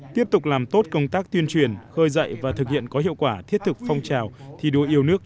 tiếp tục làm tốt công tác tuyên truyền khơi dậy và thực hiện có hiệu quả thiết thực phong trào thi đua yêu nước